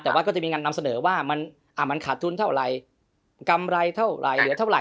แต่ว่าก็จะมีการนำเสนอว่ามันขาดทุนเท่าไหร่กำไรเท่าไหร่เหลือเท่าไห